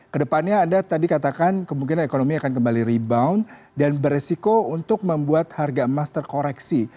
kedepannya anda tadi katakan kemungkinan ekonomi akan kembali rebound dan beresiko untuk membuat harga emas terkoreksi